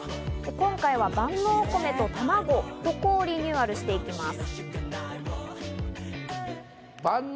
今回は万能お米と卵、ここをリニューアルしていきます。